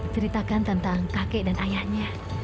ceritakan tentang kakek dan ayahnya